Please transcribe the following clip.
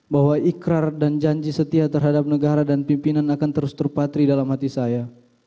bahwa ikrar dan janji setia terhadap negara dan pimpinan akan terus terpatri dalam hati saya